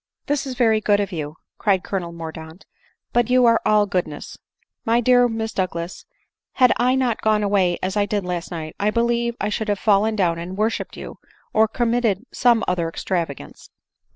" This is very good of you," cried Colonel Mordaunt; " but you are all goodness !— My dear Miss Douglas, had I not gone away as I did last night, I believe I should have fallen down and worshipped you, or committed some other extravagance."